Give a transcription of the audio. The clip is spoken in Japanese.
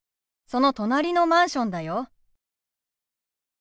その隣のマンションだよ。